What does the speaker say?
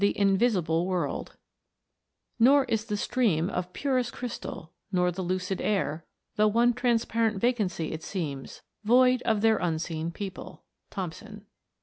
fufeifrh " Nor is the stream Of purest crystal, nor the lucid air, Though one transparent vacancy it seems, Void of their unseen people." THOMSON.